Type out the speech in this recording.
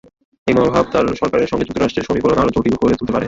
এই মনোভাব তাঁর সরকারের সঙ্গে যুক্তরাষ্ট্রের সমীকরণ আরও জটিল করে তুলতে পারে।